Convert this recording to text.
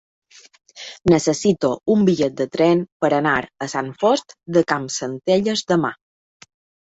Necessito un bitllet de tren per anar a Sant Fost de Campsentelles demà.